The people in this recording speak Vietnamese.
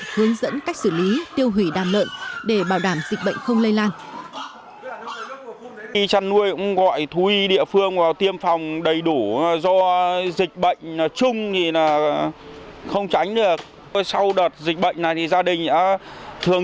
hướng dẫn cách xử lý tiêu hủy đàn lợn để bảo đảm dịch bệnh không lây lan